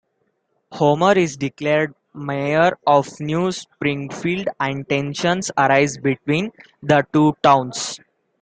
Homer is declared mayor of New Springfield and tensions arise between the two towns.